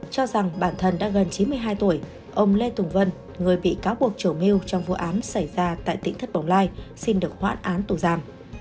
cho rằng bản thân đã gần chín mươi hai tuổi ông lê tùng vân người bị cáo buộc chủ mưu trong vụ án xảy ra tại tỉnh thất bồng lai xin được hoãn án tù giam